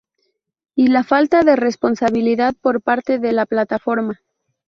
y la falta de responsabilidad por parte de la plataforma